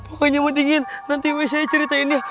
pokoknya mendingin nanti gue ceritain ya